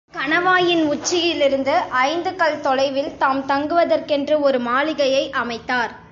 அடுக்கம் கணவாயின் உச்சியிலிருந்து ஐந்து கல் தொலைவில், தாம் தங்குவதற்கென்று ஒரு மாளிகையை அமைத்தார்.